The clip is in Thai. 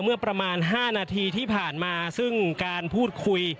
เมื่อประมาณ๕นาทีที่ผ่านมาซึ่งการพูดคุย